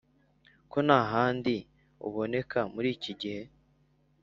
ko nta handi uboneka muri iki gihe !